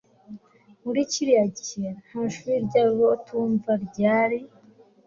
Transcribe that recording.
Muri kiriya gihe nta shuri ryabatumva ryari